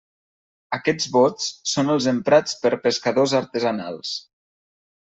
Aquests bots són els emprats pels pescadors artesanals.